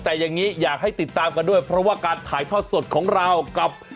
แต่อย่างนี้อยากให้ติดตามกันด้วยเพราะว่าการถ่ายทอดสดของเรากับ